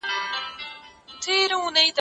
غرشته غرشته پوزکي درلاندی نشته